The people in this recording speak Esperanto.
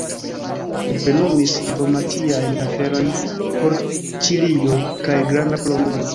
Li plenumis diplomatiajn aferojn por Ĉilio kaj Granda Kolombio.